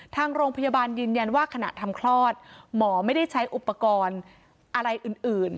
ทางโรงพยาบาลยืนยันว่าขณะทำคลอดหมอไม่ได้ใช้อุปกรณ์อะไรอื่น